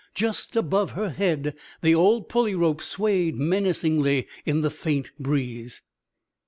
Just above her head the old pulley rope swayed menacingly in the faint breeze.